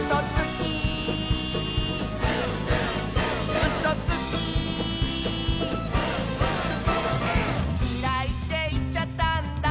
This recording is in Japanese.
「きらいっていっちゃったんだ」